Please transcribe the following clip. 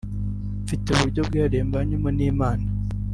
"mfite uburyo bwihariye mbanyemo n’Imana